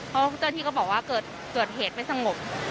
เพราะเจ้าหน้าที่ก็บอกว่าเกิดเหตุไม่สงบ